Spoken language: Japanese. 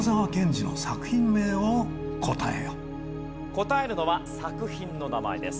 答えるのは作品の名前です。